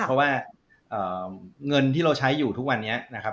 เพราะว่าเงินที่เราใช้อยู่ทุกวันนี้นะครับ